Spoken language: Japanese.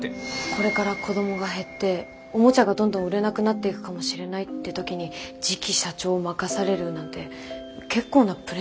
これから子どもが減っておもちゃがどんどん売れなくなっていくかもしれないって時に次期社長を任されるなんて結構なプレッシャーですよね。